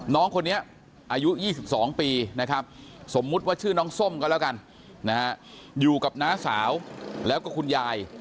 น้องคนนี้อายุ๒๒ปีนะครับสมมุติว่าชื่อน้องส้มก็แล้วกันนะฮะอยู่กับน้าสาวแล้วก็คุณยาย